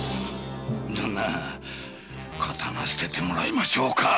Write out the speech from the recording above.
ダンナ刀を捨ててもらいましょうか。